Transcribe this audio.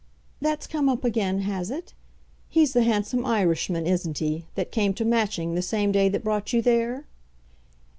"That's come up again, has it? He's the handsome Irishman, isn't he, that came to Matching, the same day that brought you there?"